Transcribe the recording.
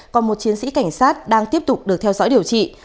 còn một chiến sĩ cảnh sát đang tiếp tục được theo dõi điều trị